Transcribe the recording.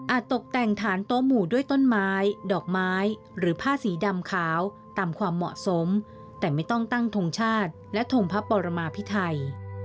ตกแต่งฐานโต๊หมู่ด้วยต้นไม้ดอกไม้หรือผ้าสีดำขาวตามความเหมาะสมแต่ไม่ต้องตั้งทงชาติและทงพระปรมาพิไทย